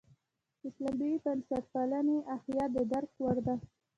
اسلامي بنسټپالنې احیا د درک وړ ده.